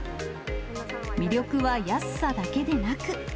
魅力は安さだけでなく。